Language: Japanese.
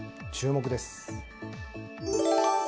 注目です。